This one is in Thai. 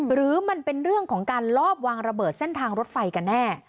หรือมันเป็นเรื่องของการลอบวางระเบิดเส้นทางรถไฟกันแน่